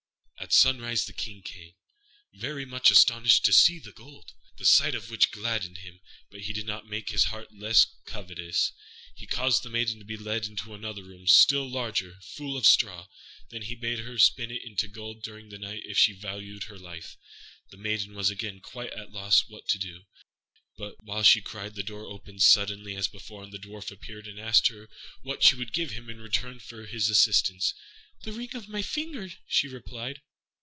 At sunrise the King came, very much astonished to see the gold; the sight of which gladdened him, but did not make his heart less covetous. He caused the maiden to be led into another room, still larger, full of straw; and then he bade her spin it into gold during the night if she valued her life. The maiden was again quite at a loss what to do; but while she cried the door opened suddenly, as before, and the Dwarf appeared and asked her what she would give him in return for his assistance. "The ring off my finger," she replied.